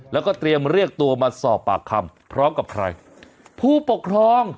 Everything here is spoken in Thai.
แล้วก็เตรียมเรียกตัวมาสอบปากคำพร้อมกับใครผู้ปกครอง